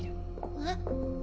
えっ？